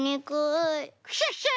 クシャシャ！